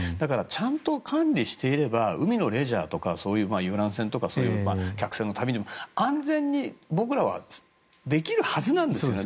ちゃんと管理していれば海のレジャーとかそういう遊覧船とか客船の旅に僕らは安全にできるはずなんですね。